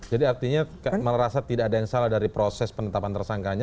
jadi artinya malah rasa tidak ada yang salah dari proses penetapan tersangkanya